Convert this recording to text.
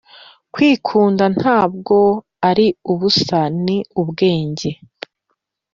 “kwikunda ntabwo ari ubusa. ni ubwenge. ”